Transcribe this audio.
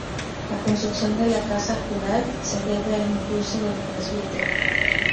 La construcción de la Casa Cural se debe al impulsó del Pbro.